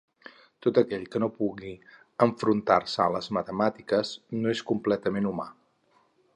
Tot aquell que no pugui enfrontar-se a les matemàtiques no és completament humà.